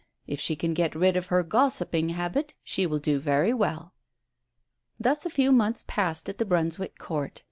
If she can get rid of her gossiping habit she will do very well." Thus a few months passed at the Brunswick Court.